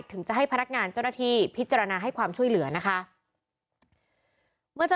ถึงจะให้พนักงานเจ้าหน้าที่พิจารณาให้ความช่วยเหลือนะคะเมื่อจะ